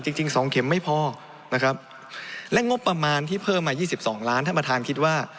จริงจริง๒เข็มไม่พอนะครับและงบประมาณที่เพิ่มมา๒๒ล้านท่านประธานคิดว่า